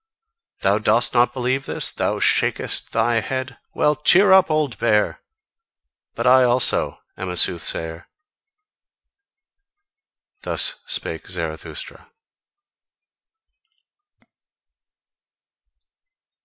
Thou dost not believe this? Thou shakest thy head? Well! Cheer up, old bear! But I also am a soothsayer." Thus spake Zarathustra.